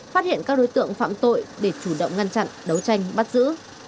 phát hiện các đối tượng phạm tội để chủ động ngăn chặn đấu tranh bắt giữ